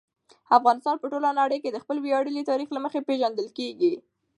افغانستان په ټوله نړۍ کې د خپل ویاړلي تاریخ له مخې پېژندل کېږي.